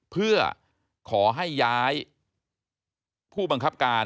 เพื่อขอให้ย้ายผู้บังคับการ